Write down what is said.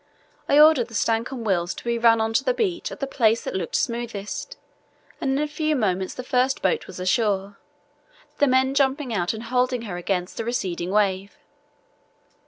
I ordered the Stancomb Wills to run on to the beach at the place that looked smoothest, and in a few moments the first boat was ashore, the men jumping out and holding her against the receding wave.